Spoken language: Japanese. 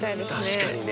確かにね。